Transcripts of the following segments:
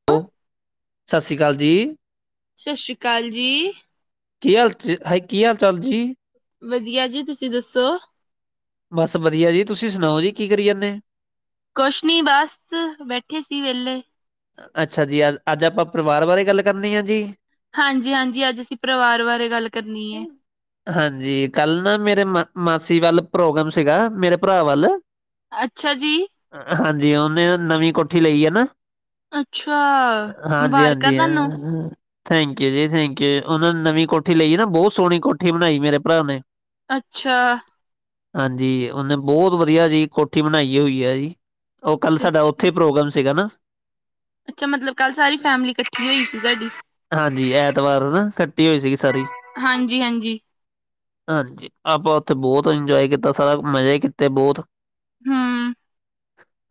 [unintelligible] ਸਤਿ ਸ਼੍ਰੀ ਅਕਾਲ ਜੀ। ਸਤਿ ਸ਼੍ਰੀ ਅਕਾਲ ਜੀ। ਕੀ ਹਾਲ ਜੇ, ਹਾਏ ਕੀ ਹਾਲ ਚਾਲ ਜੀ? ਵਧੀਆ ਜੀ ਤੁਸੀਂ ਦੱਸੋ? ਬਸ ਵਧੀਆ ਜੀ ਤੁਸੀਂ ਸੁਣਾਓ ਜੀ ਕੀ ਕਰੀ ਜਾਂਨੇ ਆ? ਕੁਛ ਨਹੀਂ ਬਸ ਬੈਠੇ ਸੀ ਵੇਲੇ। ਅੱਛਾ ਜੀ, ਅੱਜ, ਅੱਜ ਆਪਾਂ ਪਰਿਵਾਰ ਬਾਰੇ ਗੱਲ ਕਰਨੇ ਆ ਜੀ। ਹਾਂਜੀ ਹਾਂਜੀ ਅੱਜ ਅਸੀਂ ਪਰਿਵਾਰ ਬਾਰੇ ਗੱਲ ਕਰਨੀ ਏ। ਹਾਂਜੀ ਕੱਲ ਨਾ ਮੇਰੇ ਮ ਮਾਸੀ ਵੱਲ ਪ੍ਰੋਗਰਾਮ ਸੀਗਾ ਮੇਰੇ ਭਰਾ ਵੱਲ ਅੱਛਾ ਜੀ। ਹਾਂਜੀ, ਉਹਨੇ ਨਵੀਂ ਕੋਠੀ ਲਈ ਹੈ ਨਾ। ਅੱਛਾ। ਮੁਬਾਰਕਾਂ ਹਾਂਜੀ-ਹਾਂਜੀ। ਤੁਹਾਨੂੰ, ਥੈਂਕ ਯੂ ਜੀ ਥੈਂਕ ਯੂ ਉਹਨਾਂ ਨੇ ਨਵੀਂ ਕੋਠੀ ਲਈ ਨਾ ਬਹੁਤ ਸੋਹਣੀ ਕੋਠੀ ਬਣਾਈ ਮੇਰੇ ਭਰਾ ਨੇ। ਅੱਛਾ। ਹਾਂਜੀ, ਉਹਨੇ ਬਹੁਤ ਵਧੀਆ ਜੀ ਕੋਠੀ ਬਣਾਈ ਹੋਈ ਹੈ ਜੀ। ਔ ਕੱਲ੍ਹ ਅੱਛਾ-ਅੱਛਾ, ਸਾਡਾ ਓਥੇ ਅੱਛਾ ਈ ਪ੍ਰੋਗਰਾਮ ਸੀਗਾ ਨਾ। ਇਹਦਾ ਮਤਲਬ ਕੱਲ੍ਹ ਸਾਰੀ ਫੈਮਿਲੀ ਕੱਠੀ ਹੋਈ ਸੀ [unintelligible] ਸਾਡੀ। ਹਾਜੀ, ਐਤਵਾਰ ਨੂੰ ਨਾ ਇਕੱਠੀ ਹੋਈ ਸੀਗੀ ਸਾਰੀ। ਹਾਂਜੀ-ਹਾਂਜੀ। ਹਾਂਜੀ, ਆਪਾਂ ਔਥੇ ਬੌਤ ਇੰਜੋਏ ਕੀਤਾ ਸਾਰਾ ਮਜੇ ਕੀਤੇ ਬੌਤ। ਹੂੰ।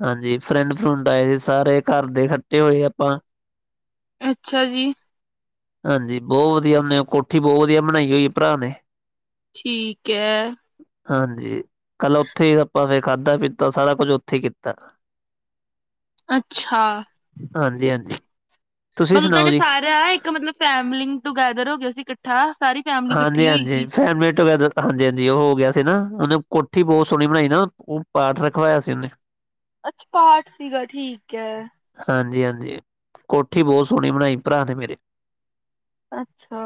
ਹਾਂਜੀ, ਫਰੈਂਡ-ਫਰੂੰਡ ਆਏ, ਸਾਰੇ ਘਰ ਦੇ ਇਕੱਠੇ ਹੋਏ ਅਪਾਂ। ਅੱਛਾ ਜੀ। ਹਾਂਜੀ, ਬੌਹ ਵਧੀਆ ਓਹਨੇ ਕੋਠੀ ਬੌਹਤ ਵਧੀਆ ਬਣਾਈ ਹੋਈ ਏ ਭਰਾ ਨੇ। ਠੀਕ ਹੈ। ਹਾਂਜੀ, ਕੱਲ ਔਥੇ ਈ ਅਪਾਂ ਫੇਰ ਖਾਧਾ-ਪੀਤਾ ਸਾਰਾ ਕੁੱਝ ਔਥੇ ਈ ਕੀਤਾ। ਅੱਛਾ। ਹਾਂਜੀ, ਹਾਂਜੀ। ਤੁਸੀਂ ਮਤਲਬ ਸੁਣਾਓ ਤੁਹਾਡੇ ਜੀ ਸਾਰਿਆਂ ਇੱਕ ਮਤਲਬ ਫੈਮਲੀੰਗ ਟੂਗੈਦਰ ਹੋ ਗਿਆ ਸੀ ਕੱਠਾ, ਸਾਰੀ ਫੈ ਹਾਂਜੀ ਹਾਂਜੀ, ਫੈਮਲੀ ਟੂਗੈਦਰ ਹਾਂਜੀ ਹਾਂਜੀ, ਓਹ ਹੋ ਗਿਆ ਸੀ ਨਾ ਔਨੇ ਕੋਠੀ ਬੌਤ ਸੋਣੀ ਬਣਾਈ ਨਾ ਓਹ ਪਾਠ ਰਖਵਾਇਆ ਸੀ ਔਨੇ। ਅੱਛਾ, ਪਾਠ ਸੀਗਾ ਠੀਕ ਹੈ। ਹਾਂਜੀ ਹਾਂਜੀ, ਕੋਠੀ ਬੌਤ ਸੋਣੀ ਬਣਾਈ ਭਰਾ ਨੇ ਮੇਰੇ। ਅੱਛਾ।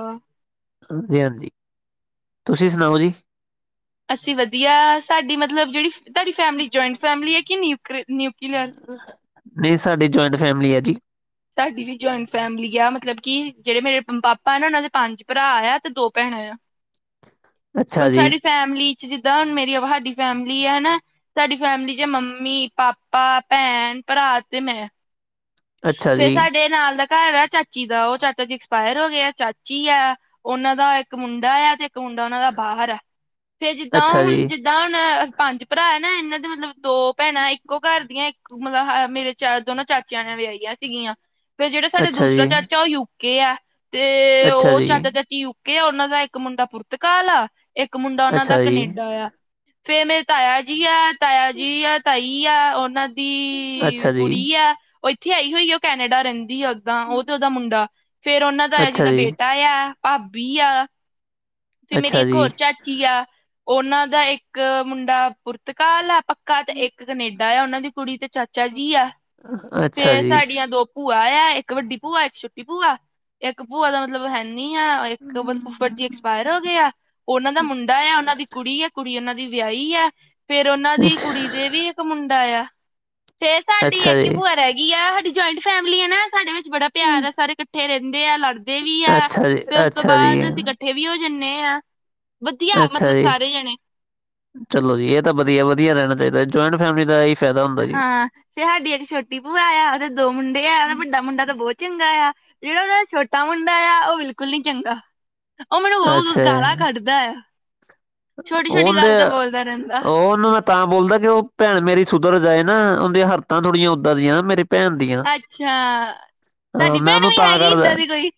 ਹਾਂਜੀ ਹਾਂਜੀ, ਤੁਸੀਂ ਸੁਣਾਓ ਜੀ? ਅਸੀਂ ਵਧੀਆ, ਸਾਡੀ ਮਤਲਬ ਜੇੜੀ ਤੁਹਾਡੀ ਫੈਮਿਲੀ ਜੋਇੰਟ ਫੈਮਿਲੀ ਐ ਕਿ ਨਿਊਕਰੀ ਨਿਊਕੀਲਰ? ਨਹੀਂ ਸਾਡੀ ਜੋਇੰਟ ਫੈਮਿਲੀ ਹੈ ਜੀ। ਸਾਡੀ ਵੀ ਜੋਇੰਟ ਫੈਮਿਲੀ ਯਾ, ਮਤਲਬ ਕਿ ਜੇੜੇ ਮੇਰੇ ਪਾਪਾ ਐ ਨਾ ਔਨਾਂ ਦੇ ਪੰਜ ਭਰਾ ਐ ਤੇ ਦੋ ਭੈਣਾ ਆ। [inaudible] ਹੁਣ ਜੀ, ਸਾਡੀ ਫੈਮਿਲੀ ਚ ਜਿੱਦਾਂ ਹੁਣ ਮੇਰੀ ਵਾਹ ਹਾਡੀ ਫੈਮਿਲੀ ਐ ਨਾ ਸਾਡੀ ਫੈਮਿਲੀ ਚ ਮੰਮੀ, ਪਾਪਾ ਭੈਣ, ਭਰਾ ਤੇ ਮੈਂ। ਅੱਛਾ ਫੇਰ ਜੀ, ਸਾਡੇ ਨਾਲ ਦਾ ਘੱਰ ਆ ਚਾਚੀ ਦਾ। ਔ ਚਾਚਾ ਜੀ ਐਕਸਪਾਯਰ ਹੋ ਗਏ ਐ, ਚਾਚੀ ਐ ਔਨਾਂ ਦਾ ਇੱਕ ਮੁੰਡਾ ਆ ਤੇ ਕ ਹੂੰਡਾ ਉਨਾ ਦਾ ਬਾਹਰ ਆ, ਤੇ ਜਿੱਦਾਂ ਅੱਛਾ ਹੁਣ ਜੀ, ਜਿੱ ਦਾਂ ਹੁਣ ਪੰਜ ਭਰਾ ਏਨਾ ਏਨਾਂ ਦੇ ਮਤਲਬ ਦੋ ਭੈਣਾਂ ਇੱਕੋ ਘਰ ਦੀਆਂ ਕੂ ਮਲਾ ਹ ਮੇਰੇ ਚ ਦੋਨੋ ਚਾਚ ਕੈਵੇ ਵਿਆਹੀਆਂ ਸੀਗੀਆਂ, ਫੇਰ ਜੇੜਾ ਸਾਡਾ ਅੱਛਾ ਦੂਸਰਾ ਜੀ, ਚਾਚਾ ਓਹ ਯੂਕੇ ਐ। ਤੇ ਅੱਛਾ ਓਹ ਜੀ, ਚਾਚਾ-ਚਾਚੀ ਯੂਕੇ ਐ, ਔਨਾਂ ਦਾ ਇੱਕ ਮੁੰਡਾ ਪੁਰਤਕਾਲ ਆ। ਇੱਕ ਮੁੰਡਾ ਔਨਾਂ ਦਾ ਅੱਛਾ ਜੀ। ਕਨੇਡਾ ਆ। ਫੇਰ ਮੇਰੇ ਤਾਯਾ ਜੀ ਐ, ਤਾਯਾ ਜੀ ਆ ਤਾਈ ਆ ਔਨਾਂ ਦੀ ਅੱਛਾ ਜੀ, ਕੁੜੀ ਯੈ ਔ ਇੱਥੇ ਆਈ ਹੋਈ ਹੈ, ਓਹ ਕੈਨੇਡਾ ਰੈੰਦ ਦੀ ਔਦਾਂ ਓਹ ਤੇ ਓਦਾ ਮੁੰਡਾ। ਫੇਰ ਔਨਾਂ ਦਾ ਆ ਅੱਛਾ ਜਿਦਾ ਜੀ, ਬੇਟਾ ਯਾ ਭਾਬੀ ਆ। ਤੇ ਮੇਰੀ ਅੱਛਾ ਇੱਕ ਹੋਰ ਜੀ। ਚਾਚੀ ਯਾ ਔਨਾਂ ਦਾ ਏਕ ਮੁੰਡਾ ਪੁਰਤਕਾਲ ਆ। ਪ ਕਾ ਤੇ ਏਕ ਕਨੇਡਾ ਆ ਉਨਾਂ ਦੀ ਕੁੜੀ ਤੇ ਚਾਚਾ ਜੀ ਆ। ਅੱਛਾ ਫੇਰ ਜੀ। ਸਾਡੀਆਂ ਦੋ ਭੂਆ ਐ ਏਕ ਵੱਡੀ ਭੂਆ, ਏਕ ਛੋਟੀ ਭੂਆ। ਏਕ ਭੂਆ ਦਾ ਮਤਲਬ ਹੈ ਨੀ ਆ ਏਕ ਬ ਫੂਫੜ ਜੀ ਅਕਸ ਪਾਯੇਰ ਹੋਗੇ ਆ। ਔਨਾਂ ਦਾ ਮੁੰਡਾ ਆ, ਔਨਾਂ ਦੀ ਕੁੜੀ ਆ ਕੁੜੀ ਓਨਾਂ ਦੀ ਵਿਆਹੀ ਐ। ਫੇਰ ਔਨਾਂ ਦੀ ਅੱਛਾ ਕੁੜੀ ਦੇ ਵੀ ਇੱਕ ਮੁੰਡਾ ਆ, ਫੇਰ ਸਾਡੀ ਅੱਛਾ ਏਕ ਹੀ ਜੀ, ਭੂਆ ਰੈ ਗੀ ਆ। ਹਾਡੀ ਜੌਇੰਟ ਫੈਮਲੀ ਏ ਨਾ ਸਾਡੇ ਵਿੱਚ ਬੜਾ ਪਿਆਰ ਐ, ਸਾਰੇ ਕੱਠੇ ਰੈੰਦੇ ਆ ਲੜ ਦੇ ਵੀ ਆ ਅੱਛਾ ਜੀ, ਫੇਰ ਔਸ ਤੋਂ ਅੱਛਾ ਜੀ। ਬਾਦ ਅਸੀਂ ਕੱਠੇ ਵੀ ਹੋ ਜਾਂਣੇ ਆਂ। ਅੱਛਾ ਜੀ, ਚਲੋ ਜੀ ਏ ਤਾਂ ਵਧੀਆ। ਵਧੀਆ ਰੈਣਾ ਚਾਹੀਦੈ, ਜੋਇੰਟ ਫੈਮਿਲੀ ਦਾ ਐਹੀ ਹਾਂ, ਤੇ ਸਾਡੀ ਏਕ ਛੋਟੀ ਭੂਆ ਆ ਔਦੇ ਦੋ ਮੁੰਡੇ ਆ ਵੱਡਾ ਮੁੰਡਾ ਤਾਂ ਬੌਤ ਚੰਗਾ ਆ। ਜਿੜਾ ਉਦਾ ਛੋਟਾ ਮੁੰਡਾ ਆ ਔ ਬਿਲਕੁਲ ਨੀ ਚੰਗਾ। ਓਹ ਮੈਨੂੰ ਬੌ ਵੋ ਅੱਛਾ, ਗਾਲਾ ਕੱਢਦੈ, ਛੋਟੀ-ਛੋਟੀ ਉਹਦੇ ਗੱਲ ਤੇ ਬੋਲਦਾ ਰੈੰਦਾ। ਉਹਨੂੰ ਮੈਂ ਤਾਂ ਬੋਲਦੈ ਕਿ ਔ ਭੈਣ ਮੇਰੀ ਸੁਧਰ ਜਾਏ ਨਾ ਔੰਦੀਆਂ ਹਰਤਾਂ ਥੋੜੀਆਂ ਔੱਦਾਂ ਦੀਆਂ ਨਾ, ਮੇਰੀ ਭੈਣ ਦੀਆਂ। ਅੱਛਾ, ਹਾਂ ਤਾਡੀ ਭੈਣ ਵੀ ਹੈਗੀ ਇੱਦਾਂ ਦੀ ਕੋਈ?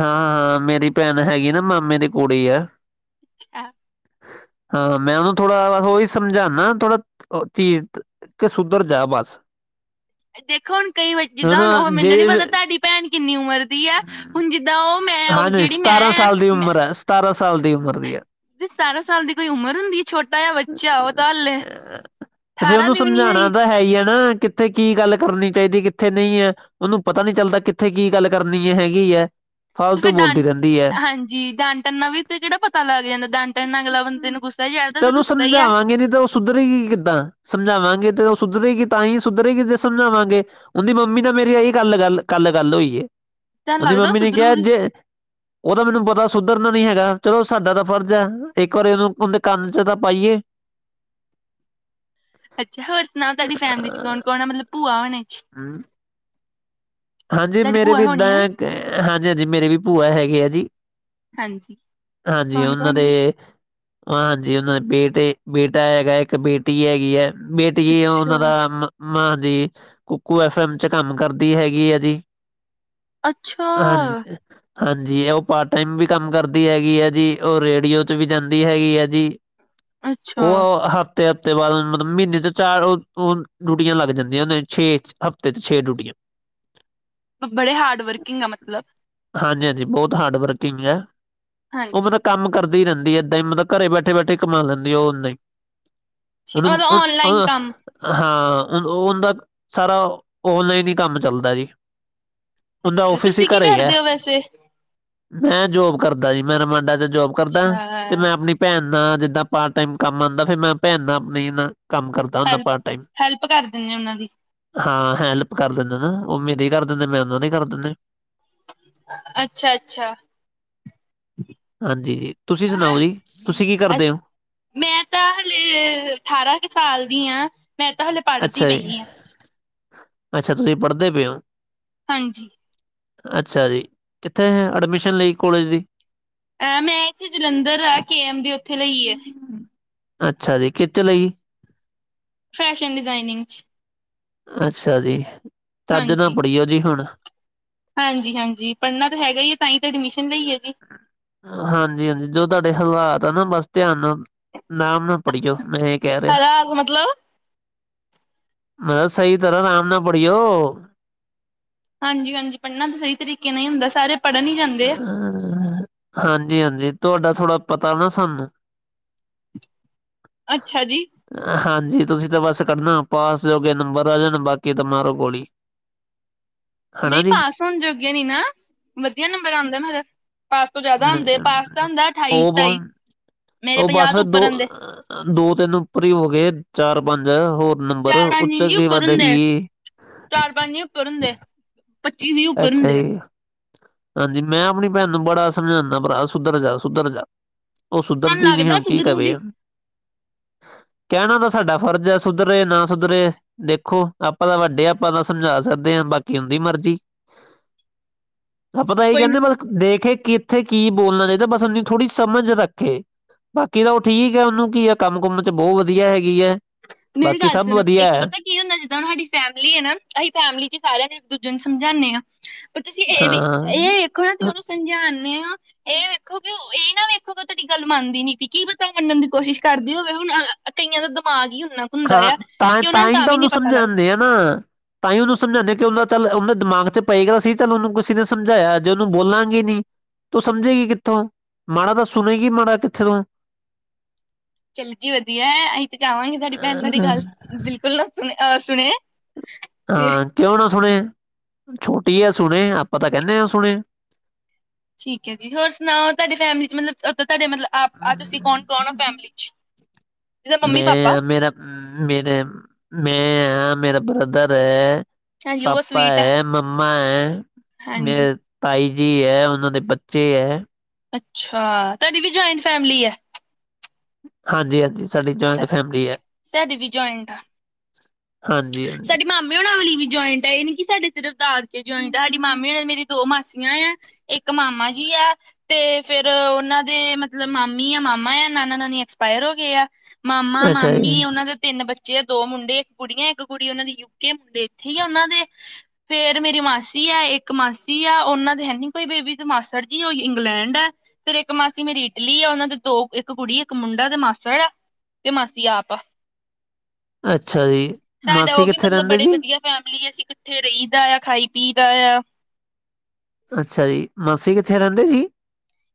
ਹਾਂ ਹਾਂ ਮੇਰੀ ਭੈਣ ਹੈਗੀ ਨਾ ਮਾਮੇ ਦੀ ਕੁੜੀ ਆ। ਅੱਛਾ। ਹਾਂ ਮੈਂ ਉਹਨੂੰ ਥੋੜਾ ਉਹੀ ਸਮਝਾਉਣਾ ਥੋੜਾ ਕੇ ਸੁਧਰ ਜਾ ਬਸ। ਦੇਖੋ ਹੁਣ ਕਈ ਵਾਰੀ ਜਿੱਦਾਂ ਹੁਣ ਉਹ ਮੈਨੂੰ ਨੀ ਪਤਾ ਤੁਹਾਡੀ ਭੈਣ ਕਿੰਨੀ ਉਮਰ ਦੀ ਹੈ ਹੁਣ ਜਿੱਦਾਂ ਉਹ ਮੈਂ ਉਹ ਹਾਂਜੀ ਜਿਹੜੀ ਸਤਾਰਾਂ ਮੈਂ ਆ। ਸਾਲ ਦੀ ਉਮਰ ਹੈ ਸਤਾਰਾਂ ਸਾਲ ਦੀ ਉਮਰ ਦੀ ਹੈ। ਸਤਾਰਾਂ ਸਾਲ ਦੀ ਕੋਈ ਉਮਰ ਹੁੰਦੀ ਛੋਟਾ ਜਾਂ ਬੱਚਾ ਉਹ ਤਾਂ ਹਾਲੇ। ਤੇ ਫਿਰ ਅਠਾਰਾਂ ਉਹਨੂੰ ਦੀ ਵੀ ਨ ਸਮਝਾਉਣਾ ਹੈਈ। ਤਾਂ ਹੈ ਹੀ ਆ ਨਾ ਕਿ ਕਿੱਥੇ ਕੀ ਗੱਲ ਕਰਨੀ ਚਾਹੀਦੀ ਕਿੱਥੇ ਨਹੀਂ ਹੈ ਉਹਨੂੰ ਪਤਾ ਨੀ ਚੱਲਦਾ ਕਿੱਥੇ ਕੀ ਗੱਲ ਕਰਨੀ ਹੈ ਹੈਗੀ ਹੈ। ਤੇ ਵਾਧੂ ਫਿਰ ਬੋਲਦੀ ਡਾਂਟ ਰਹਿੰਦੀ। ਹੈ ਹਾਂਜੀ ਡਾਂਟਨ ਨਾਲ ਵੀ ਤੇ ਕਿਹੜਾ ਪਤਾ ਲੱਗ ਜਾਂਦਾ ਡਾਂਟਨ ਅਗਲਾ ਬੰਦੇ ਨੂੰ ਗੁੱਸਾ ਚੜਦਾ ਤੇ ਚਲੋ ਰੁੱਸਦਾ ਹੀ ਹੈ। ਸਮਝਾਵਾਂਗੇ ਨਹੀਂ ਤਾਂ ਉਹ ਸੁਧਰੇਗੀ ਕਿੱਦਾਂ ਸਮਝਾਵਾਂਗੇ ਤੇ ਉਹ ਸੁਧਰੇਗੀ ਤਾਂ ਹੀ ਸੁਧਰੇਗੀ ਜੇ ਸਮਝਾਵਾਂਗੇ। ਉਹਦੀ ਮੰਮੀ ਨਾਲ ਮੇਰੀ ਆਹੀ ਗੱਲ ਗੱਲ ਕੱਲ ਗੱਲ ਹੋਈ ਹੈ ਤੁਹਾਨੂੰ ਉਹਦੀ ਲੱਗਦਾ ਉਹ ਮੰਮੀ ਨੇ ਕਿਹਾ ਸੁਧਰੂਗੀ ਜੇ ਉਹਦਾ ਮੈਨੂੰ ਪਤਾ ਸੁਧਰਨਾ ਨੀ ਹੈਗਾ ਚਲੋ ਸਾਡਾ ਤਾਂ ਫਰਜ਼ ਹੈ ਇੱਕ ਵਾਰੀ ਉਹਨੂੰ ਦੇ ਕੰਨ ਚ ਤਾਂ ਪਾਈਏ। [inaudible] ਅੱਛਾ ਹੋਰ ਸੁਣਾਓ ਤੁਹਾਡੀ ਫੈਮਿਲੀ ਚ ਕੌਣ ਕੌਣ ਆ ਮਤਲਬ ਭੂਆ ਹੋਣਣੇ ਚ। ਹਾਂ। ਹਾਂਜੀ ਤੁਹਾਡੀ ਮੇਰੇ ਭੂਆ ਵੀ ਏਦਾਂ ਹੋਣੀ ਆ ਹਾਂਜੀ ਹਾਂਜੀ ਮੇਰੇ ਵੀ ਭੂਆ ਹੈਗੇ ਆ ਜੀ। ਹਾਂਜੀ ਹਾਂਜੀ ਕੌਣ ਉਹਨਾਂ ਕੌਣ ਨੇ ਦੇ ਹਾਂਜੀ ਉਹਨਾਂ ਦੇ ਬੇਟੇ ਇੱਕ ਬੇਟਾ ਹੈਗਾ ਇੱਕ ਬੇਟੀ ਹੈਗੀ ਹੈ। ਬੇਟੀ ਉਹਨਾਂ ਅੱਛਾ ਦਾ ਮਾਂ ਜ ਕੁਕੂ ਐਫ ਐਮ ਚ ਕੰਮ ਕਰਦੀ ਹੈਗੀ ਹੈ। ਹਾਂਜੀ। ਅੱਛਾ ਹਾਂਜੀ ਉਹ ਪਾਰਟ ਟਾਈਮ ਵੀ ਕੰਮ ਕਰਦੀ ਹੈਗੀ ਆ ਜੀ ਉਹ ਰੇਡੀਓ ਚ ਵੀ ਜਾਂਦੀ ਹੈਗੀ ਆ ਜੀ। ਅੱਛਾ ਉਹ ਅ ਤੇ ਹਫ਼ਤੇ ਬਾਅਦ, ਮਤਲਬ ਮਹੀਨੇ'ਚ ਚਾਰ--ਉਹ ਡਿਊਟੀਆਂ ਲੱਗ ਜਾਂਦੀਆਂ ਨੇ, ਛੇ ਹ, ਹਫ਼ਤੇ'ਚ ਛੇ ਡਿਊਟੀਆਂ। ਬੜੇ ਹਾਰਡ ਵਰਕਿੰਗ ਆ, ਮਤਲਬ‌। ਹਾਂਜੀ-ਹਾਂਜੀ, ਬਹੁਤ ਹਾਰਡ ਵਰਕਿੰਗ ਯਾ, ਉਹ ਹਾਂਜੀ ਠੀਕ, ਮਤਲਬ ਕੰਮ ਕਰਦੀ ਰਹਿੰਦੀ ਹੈ ਏਦਾਂ ਹੀ, ਮਤਲਬ ਘਰੇ ਬੈਠੇ-ਬੈਠੇ ਕਮਾ ਲੈਂਦੀ ਆ, ਉਹ ਔਨਲਾਈਨ। ਮਤਲਬ ਔਨਲਾਈਨ ਅਂ--ਓ ਕੰਮ ਹਾਂ, ਉਂਹਦਾ, ਸਾਰਾ, ਓਨਲਾਈਨ ਹੀ ਕੰਮ ਚੱਲਦਾ ਜੀ। ਓਂਦਾ ਅੱਛਾ ਔਫੀਸ ਈ ਤੁਸੀਂ ਕੀ ਘਰੇ ਆ। ਕਰਦੇ ਹੋ ਵੈਸੇ ਮੈਂ ਜੋਬ ਕਰਦਾ ਜੀ, ਮੇਰਾ ਮੁੰਡਾ ਤ ਜੋਬ ਕਰਦਾ, ਅੱਛਾ ਤੇ ਮੈਂ ਆਪਣੀ ਭੈਣ ਨਾਲ, ਜਿੱਦਾਂ ਪਾਰਟ-ਟਾਈਮ ਕੰਮ ਆਂਦਾ ਫਿਰ ਮੈਂ ਭੈਣ ਆਪਣੀ ਨਾਲ ਕੰਮ ਕਰਦਾ। ਤਾਂ ਹੈਲਪ ਪਾਰਟ-ਟਾਇਮ। ਹੈਲਪ ਕਰ ਦਿੰਦੇ ਉਹਨਾਂ ਦੀ ਹਾਂ, ਹੈਲਪ ਕਰ ਦਿੰਨਾ ਨਾ ਉਹ ਮੇਰੇ ਕਰ ਦਿੰਦੇ, ਮੈਂ ਉਹਨਾਂ ਦੇ ਕਰ ਦਿੰਨਾ। ਅੱਛਾ-ਅੱਛਾ। ਹਾਂਜੀ, ਤੁਸੀਂ ਸੁਣਾਓ ਜੀ, ਤੁਸੀਂ ਕੀ ਕਰਦੇ ਓ? ਮੈਂ ਤਾਂ ਹਲੇ, ਅਠਾਰਾਂ ਕੁ ਸਾਲ ਦੀ ਹਾਂ, ਮੈਂ ਤਾਂ ਹਲੇ ਪੜ੍ਹਦੀ ਅੱਛਾ-ਜੀ, ਪਈ ਆ ਅੱਛਾ, ਤੁਸੀਂ ਪੜ੍ਹਦੇ ਪਏ ਓ? ਹਾਂਜੀ। ਅੱਛਾ-ਜੀ, ਕਿੱਥੇ ਐਡਮਿਸ਼ਨ ਲਈ ਕੋਲਜ ਦੀ? ਅ, ਮੈਂ ਇੱਥੇ ਜਲੰਧਰ ਆ, ਕੇ ਐਮ ਦੀ ਉੱਥੇ ਲਈ ਏ। ਅੱਛਾ-ਜੀ, ਕਿਤੇ ਲਈ? ਫੈਸ਼ਨ ਡਿਜ਼ਾਇਨਿੰਗ'ਚ। ਅੱਛਾ-ਜੀ, ਚੱਜ਼ ਨਾਲ ਪੜੀਓ ਜੀ, ਹੁਣ। ਹਾਂਜੀ-ਹਾਂਜੀ, ਪੜ੍ਹਨਾ ਤਾਂ ਹੈਗਾ ਹੀ ਆ, ਤਾਂ ਹੀ ਤਾਂ ਐਡਮਿਸ਼ਨ ਲਈ ਏ ਜੀ। ਹਾਂਜੀ-ਹਾਂਜੀ, ਜੋ ਤੁਹਾਡੇ ਹਲਾਤ ਆ ਨਾ, ਬਸ ਧਿਆਨ ਨਾਲ, ਅਰਾਮ ਨਾਲ ਪੜੀਓ। ਕਹਿ ਰਿਹਾਂ, ਹਾਲਾਤ ਮਤਲਬ ਮੈਂ ਸਹੀ ਤਰ੍ਹਾਂ, ਆਰਾਮ ਨਾਲ ਪੜੀਓ। ਹਾਂਜੀ-ਹਾਂਜੀ, ਪੜ੍ਹਨਾ ਤਾਂ ਸਹੀ ਤਰੀਕੇ ਨਾਲ ਈ ਹੁੰਦਾ, ਸਾਰੇ ਪੜ੍ਹਨ ਈ, ਜਾਂ ਅਹ---ਹਾਂਜੀ-ਹਾਂਜੀ, ਤੁਹਾਡਾ ਥੋੜਾ ਪਤਾ ਨਾ ਸਾਨੂੰ। ਅੱਛਾ ਜੀ। ਹਾਂਜੀ, ਤੁਸੀਂ ਤਾਂ ਬਸ ਕੱਢਣਾ ਪਾਸ ਜੋਗੇ ਨੰਬਰ ਆ ਜਾਣ, ਬਾਕੀ ਨੁ ਤਾਂ ਮਾਰੋ ਗੋਲੀ। [inaudible] ਹਨਾ ਨਹੀਂ ਜੀ ਪਾਸ ਹੋਣ ਜੋਗੇ ਨੀ ਨਾ, ਵਧੀਆ ਨੰਬਰ ਆਂਦੇ ਮੇਰੇ। ਪਾਸ ਤੋਂ ਜ਼ਿਆਦਾ ਆਂਦੇ, ਨ- ਪਾਸ ਦਾ ਹੁੰਦਾ ਅਠਾਈ, ਉਹ ਸਤਾਈ ਬ- ਮੇਰੇ ਪੰਜਾਹ ਤੋਂ ਉੱਪਰ ਆਂਦੇ। ਦੋ-ਤਿੰਨ ਉੱਪਰ ਹੀ ਹੋ ਗਏ, ਚਾਰ-ਪੰਜ ਹੋਰ ਨੰਬਰ, ਚਾਰ ਪੰਜ ਉੱਤੇ ਇੰਚ ਕੀ ਉੱਪਰ ਵਧਦਾ ਹੁੰਦੇ ਏ। ਚਾਰ ਪੰਜ ਉੱਪਰ ਹੁੰਦੇ ਪੱਚੀ ਵੀਹ ਉੱਪਰ ਅੱਛਾ ਹੁੰਦੇ ਜੀ। ਹਾਂਜੀ, ਮੈਂ ਆਪਣੀ ਭੈਣ ਨੂੰ ਬੜਾ ਸਮਝਾਂਨਾ ਭਰਾ ਸੁੱਧਰਜਾ, ਸੁਧਰਜਾ। ਉਹ ਤੁਹਾਨੂੰ ਸੁਧਰਦੀ ਨਹੀਂ, ਲੱਗਦਾ ਹੁਣ ਸੀ ਕੀ ਜ਼ਰੂਰੀ ਕਵੇ। ਕਹਿਣਾ ਤਾ ਸਾਡਾ ਫਰਜ਼ ਆ, ਸੁਧਰੇ, ਨਾ ਸੁਧਰੇ। ਦੇਖੋ, ਆਪਾਂ ਤਾਂ ਵੱਡੇ ਆਂ, ਆਪਾਂ ਤਾਂ ਸਮਝਾ ਸਕਦੇ ਹਾਂ, ਬਾਕੀ ਓਂਦੀ ਮਰਜੀ। ਆਪਾਂ ਤੇ ਇਹ ਕੋਈ ਨਾ ਕਹਿੰਦੇ ਬੱਸ ਦੇਖੇ, ਕਿੱਥੇ ਕੀ ਬੋਲਣਾ ਚਾਹੀਦਾ, ਬਸ ਉਣੀ ਥੋੜ੍ਹੀ ਸਮਝ ਰੱਖੇ। ਬਾਕੀ ਤਾਂ ਉਹ ਠੀਕ ਹੈ, ਉਹਨੂੰ ਕੀ ਆ ਕੰਮ-ਕੁੰਮ'ਚ ਬਹੁਤ ਵਧੀਆ ਹੈਗੀ ਆ। ਮੇਰੀ ਗੱਲ ਸੁਣੋ, ਇੱਕ ਪਤਾ ਕੀ ਹੁੰਦਾ ਜਿੱਦਾਂ ਹੁਣ ਸਾਡੀ ਫੈਮਿਲੀ ਹੈ ਨਾ, ਅਸੀਂ ਫੈਮਿਲੀ'ਚ ਸਾਰਿਆਂ ਨੂੰ ਇੱਕ-ਦੂਜੇ ਨੂੰ ਸਮਝਾਨੇ ਹਾਂ ਤੁਸੀਂ ਇਹ ਵੀ, ਹਾਂ ਇਹ ਵੇਖੋ ਨਾ ਕੀ ਉਹਨੂੰ ਸਮਝਾਂਨੇ ਆਂ [inaudible] ਇਹ ਨਾ ਵੇਖੋ ਤਾਂ ਤੁਹਾਡੀ ਗੱਲ ਮੰਨਦੀ ਨੀ ਪਈ, ਕੀ ਪਤਾ ਓਹ ਮੰਨਣ ਦੀ ਕੋਸ਼ਿਸ਼ ਕਰਦੀ ਹੋਵੇ, ਹੁਣ ਕਈਆਂ ਦਾ ਦਿਮਾਗ ਹੀ ਉਨਾ ਕੁ ਹੁੰਦਾ ਹਾਂ, ਆ ਤਾਂ, ਕਿ ਉਹਨਾਂ ਨੂੰ ਤਾਂਹੀ ਤਾਂ ਵੀ ਉਹਨੂੰ ਨਹੀਂ ਪਤਾ ਲੱਗਦਾ ਸਮਝਾਂਨੇ ਆ ਨਾ। ਤਾਂ ਹੀ ਉਹਨੂੰ ਸਮਝਾਂਨੇ ਆਂ ਕਿ, ਉਹਦਾਂ ਚੱਲ ਉਹਦਾ ਦਿਮਾਗ'ਚ ਪਏਗਾ ਸੀ, ਚੱਲ ਉਹ, ਓਹਨੂੰ ਕਿਸੇ ਨੇ ਸਮਝਾਇਆ ਜੇ ਉਹਨੂੰ ਬੋਲਾਂਗੇ ਨੀ। ਤੋ ਸਮਝੇਗੀ ਕਿੱਥੋਂ? ਮਾੜਾ ਤਾਂ ਸੁਣੇਗੀ, ਮਾੜਾ ਕਿੱਥੇ ਤੋਂ। ਚੱਲ ਗੀ ਹੋਣੀ ਹੈ। ਅਸੀਂ ਤੇ ਜਾਵਾਂਗੇ, ਤੁਹਾਡੀ ਭੈਣ, ਤੁਹਾਡੀ ਅਹ ਘਰ- ਬਿਲਕੁਲ ਨਾ, ਸੁਣੇ ਅ ਸੁਣੇਆ। ਹਾਂ, ਕਿਉਂ ਨਾ ਸੁਣੇ, ਛੋਟੀ ਆ ਸੁਣੇ। ਆਪਾਂ ਤਾਂ ਕਹਿੰਦੇ ਹਾਂ ਸੁਣੇ। ਠੀਕ ਹੈ ਜੀ, ਹੋਰ ਸੁਣਾਓ ਤੁਹਾਡੇ ਫੈਮਲੀ ਚ, ਮਤਲਬ ਤੁਹਾਡੇ ਮਤਲਬ ਹ ਤੁਸੀਂ ਕੌਣ- ਅਮ, ਕੌਣ ਹੋ ਫੈਮਿਲੀ ਚ। ਜਿੱਦਾਂ ਮੰਮੀ ਪਾਪਾ ਮੈਂ ਆ ਮੇਰਾ, ਮੇਰੇ ਮੈਂ ਆ, ਮੇਰਾ ਬ੍ਰਦਰ ਹੈ। ਹਾਂਜੀ ਉਹ ਪਾਪਾ ਸਵੀਟ ਆ ਹੈ, ਮੰਮਾ ਏ ਮੇ ਹਾਂਜੀ ਤਾਈ ਜੀ ਹੈ। ਉਹਨਾਂ ਦੇ ਬੱਚੇ ਹੈ। ਅੱਛਾ ਤੁਹਾਡੀ ਵੀ, ਜੁਆਇੰਟ ਫੈਮਿਲੀ ਹੈ। ਹਾਂਜੀ- ਹਾਂਜੀ, ਸਾਡੀ ਜਆਇੰਟ ਫੈਮਿਲੀ ਹੈ। ਸਾਡੀ ਹਾਂਜੀ ਹਾਂਜੀ ਸਾਡੇ ਮਾਮੇ ਹੋਣਾ, ਵਾਲੀ ਵੀ ਜੁਆਇੰਟ ਹੈ। ਇਹ ਨੀ ਕਿ ਸਾਡੇ ਸਿਰਫ, ਦਾਦਕੇ ਜਆਇੰਟ ਹੈ। ਸਾਡੇ ਮਾਮੇ ਮੰਮੀ ਏ, ਮੇਰੀ ਦੋ ਮਾਸੀਆਂ ਏਆ, ਇੱਕ ਮਾਮਾ ਜੀ ਆ। ਤੇ ਫੇਰ ਉਹਨਾਂ ਦੇ ਮਤਲਬ, ਮਾਮੀ ਐ ਮਾਮਾ ਆ। ਨਾਨਾ, - ਨਾਨੀ ਐਕਸਪਾਇਰ ਹੋ ਗਏ ਆ। ਮਾਮਾ, ਅੱਛਾ ਜੀ ਮਾਮੀ ਉਹਨਾਂ ਦੇ ਤਿੰਨ ਬੱਚੇ ਆ। ਦੋ ਮੁੰਡੇ, ਇੱਕ ਕੁੜੀ। ਇੱਕ ਕੁੜੀ ਉਹਨਾਂ ਦੀ ਯ ਗਿਫਟ ਵੇਖੀ ਉਹਨਾਂ ਦੇ। ਫੇਰ ਮੇਰੀ ਮਾਸੀ ਹੈ। ਇੱਕ ਮਾਸੀ ਆ ਉਹਨਾਂ ਦੇ ਹੈਨੀ ਕੋਈ ਬੇਬੀ। ਤੇ ਮਾਸੜ ਜੀ, ਉਹ ਇੰਗਲੈਂਡ ਹੈ। ਫੇਰ ਇੱਕ ਮਾਸੀ ਮੇਰੀ ਇਟਲੀ ਆ। ਉਹਨਾਂ ਦੇ ਦੋ, ਇੱਕ ਕੁੜੀ ਇੱਕ ਮੁੰਡਾ ਤੇ ਮਾਸੜ ਏ। ਤੇ ਮਾਸੀ ਆਪ। ਅੱਛਾ ਜੀ, ਮਾਸੀ ਕਿੱਥੇ ਰਹਿੰਦੇ ਜੀ? ਫੈਮਲੀ ਅਸੀਂ ਇਕੱਠੇ ਰਹੀਦਾ ਆ, ਖਾਈ- ਪੀਦਾ ਆ। ਅੱਛਾ ਜੀ, ਮਾਸੀ ਕਿੱਥੇ ਰਹਿੰਦੇ ਜੀ?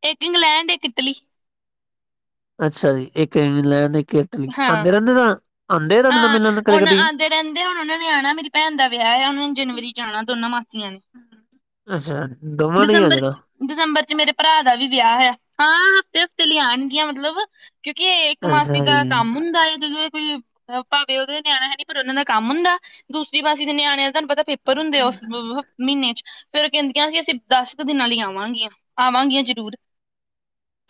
ਇੱਕ ਇੰਗਲੈਂਡ, ਇੱਕ ਇਟਲੀ ਚ। ਅੱਛਾ ਜੀ, ਇੱਕ ਇੰਗਲੈਂਡ, ਇੱਕ ਇਟਲੀ, ਹਾਂ ਆਂਦੇ ਰਹਿੰਦੇ- ਆਂਦੇ ਰਹਿੰਦੇ, ਤੁਹਾਨੂੰ ਹਾਂ। ਮਿਲਨ ਕਦੀ ਹੁਣ -ਕਦੀ। ਆਉਂਦੇ ਰਹਿੰਦੇ ਹੁਣ ਉਹਨਾਂ ਨੇ ਆਣਾ, ਮੇਰੀ ਭੈਣ ਦਾ ਵਿਆਹ ਹੈ। ਉਹਨਾਂ ਨੇ ਜਨਵਰੀ ਚ ਆਣਾ ਦੋਨਾਂ ਮਾਸੀਆਂ ਨੇ। ਅੱਛਾ, ਦੋਵਾਂ ਨੇ ਹੀ ਆ ਦਸੰਬਰ ਜਾਣਾ। ਦਸੰਬਰ ਚ ਮੇਰੇ ਭਰਾ ਦਾ ਵੀ ਵਿਆਹ ਐ ਆ। ਹਾਂ, ਹਫ਼ਤੇ- ਹਫ਼ਤੇ ਲਈ ਆਉਣਗੀਆਂ ਮਤਲਬ। ਕਿਉਂਕਿ ਇਹ ਇੱਕ ਮਾਸੀ ਅੱਛਾ ਦਾ ਜੀ, ਕੰਮ ਹੁੰਦਾ ਜਦੋਂ ਕੋਈ ਭਾਵੇਂ ਉਹਦੇ ਨਿਆਣਾ ਹੈ ਨੀ, ਪਰ ਉਹਨਾ ਦਾ ਕੰਮ ਹੁੰਦਾ। ਦੂਸਰੀ ਮਾਸੀ ਦੇ ਨਿਆਣਿਆਂ ਦਾ ਤੁਹਾਨੂੰ ਪਤਾ ਪੇਪਰ ਹੁੰਦੇ ਆ ਉਸ [unintelligible] ਮਹੀਨੇ ਚ ਫੇਰ ਉਹ ਕਹਿੰਦੀਆਂ ਸੀ। ਅਸੀਂ ਦਸ ਕੁ ਦਿਨਾਂ ਲਈ ਆਵਾਂਗੀਆਂ- ਆਵਾਂਗੀਆਂ ਜ਼ਰੂਰ।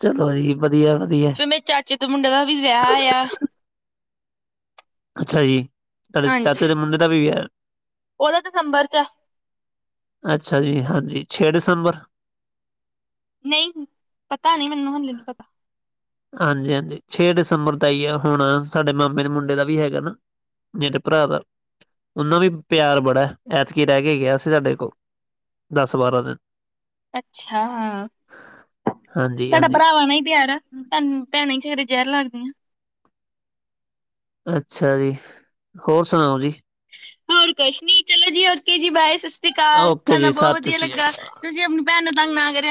ਚਲੋ ਜੀ ਵਧੀਐ- ਵਧੀਐ। ਫੇਰ ਮੇਰੇ ਚਾਚੇ ਤੇ, ਮੁੰਡੇ ਦਾ ਵੀ ਵਿਆਹ ਆ। ਅੱਛਾ ਜੀ, ਤੁਡੇ ਹਾਂਜੀ ਚਾਚੇ ਦੇ ਮੁੰਡੇ ਦਾ ਵੀ ਵਿਆਹ। ਉਹਦਾ ਦਸੰਬਰ ਚੈ। ਅੱਛਾ ਜੀ। ਹਾਂਜੀ, ਛੇ ਦਸੰਬਰ ਨਹੀਂ, ਪਤਾ ਨੀ ਮੈਨੂੰ ਹਲੇ ਨੀ ਪਤਾ। ਹਾਂਜੀ- ਹਾਂਜੀ, ਛੇ ਦਸੰਬਰ ਦਾ ਹੀ ਐ। ਹੁਣ ਸਾਡੇ ਮਾਮੇ ਦੇ ਮੁੰਡੇ ਦਾ ਵੀ ਹੈਗਾ ਨਾ। ਮੇਰੇ ਭਰਾ ਦਾ ਉਹਨਾਂ ਵੀ ਪਿਆਰ ਬੜਾ, ਐਤਕੀ ਰਹਿ ਕੇ ਗਿਆ ਸੀ ਸਾਡੇ ਕੋਲ। ਦਸ, ਬਾਰਾਂ ਦਿਨ। ਅੱਛਾ, ਤੁਹਡਾ ਹਾਂਜੀ-ਹਾਂਜੀ। ਭਰਾਵਾਂਂ ਨਾਲ ਹੀ ਪਿਆਰੱ ਐ। ਤੁਹਾਨੂੰ ਭੈਣਾਂ ਹੀ, ਫੇਰ ਜ਼ਹਿਰ ਲੱਗਦੀਆਂ। ਅੱਛਾ ਜੀ, ਹੋਰ ਸੁਣਾਓ ਜੀ? ਹੋਰ ਕੁਛ ਨੀ, ਚਲੋ ਜੀ ਓਕੇ ਜੀ, ਬਾਏ। ਸਤਿ ਸ੍ਰੀ ਅਕਾਲ। ਓਕੇ ਤੁਹਾਡੇ ਨਾਲ ਜੀ ਬਹੁਤ ਸਤਿ ਵਧੀਆ ਸ਼੍ਰੀ ਲੱਗਾ। ਅਕਾਲ। ਤੁਸੀਂ ਆਪਣੀ ਭੈਣ ਨੂੰ, ਤੰਗ ਨਾ ਕਰਿਆ ਕਰੇ।